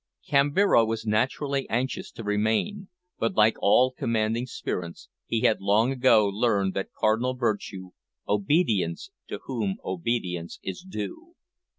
Kambira was naturally anxious to remain, but like all commanding spirits, he had long ago learned that cardinal virtue, "obedience to whom obedience is due."